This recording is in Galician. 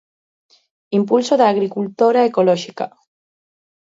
Impulso da agricultora ecolóxica.